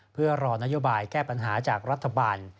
เพื่อรอนโยบายแก้ปัญหาจากรัฐบาล